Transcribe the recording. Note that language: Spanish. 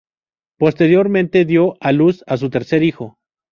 Posteriormente dio la luz a su tercer hijo.